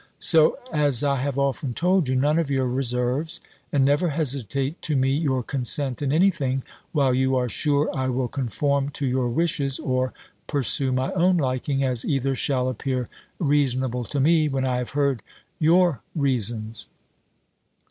So, as I have often told you, none of your reserves; and never hesitate to me your consent in any thing, while you are sure I will conform to your wishes, or pursue my own liking, as either shall appear reasonable to me, when I have heard your reasons."